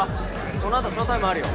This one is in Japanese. このあとショータイムあるよ